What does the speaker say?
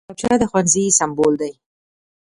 کتابچه د ښوونځي سمبول دی